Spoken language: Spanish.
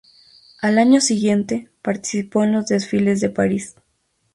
Al año siguiente, participó en los desfiles de París.